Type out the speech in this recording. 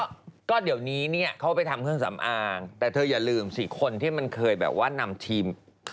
ก็เดี๋ยวนี้เนี่ยเขาไปทำเครื่องสำอางแต่เธออย่าลืมสิคนที่มันเคยแบบว่านำทีม